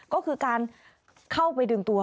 ก็คือการเข้าไปดึงตัว